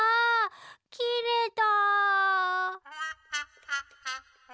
きれた。